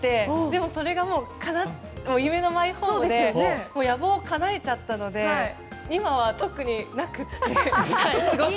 でもそれが夢のマイホームを建ててもう野望をかなえちゃったので今は特になくって。